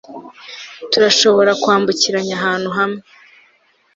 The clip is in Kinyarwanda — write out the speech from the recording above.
Turashobora kwambukiranya ahantu hamwe